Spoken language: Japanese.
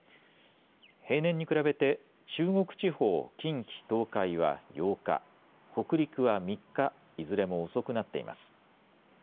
平年に比べて中国地方、近畿、東海は８日、北陸は３日いずれも遅くなっています。